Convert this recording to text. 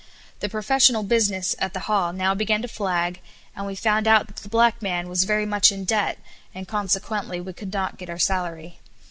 The professional business at the hall now began to flag, and we found out that the black man was very much in debt, and, consequently, we could not get our salary.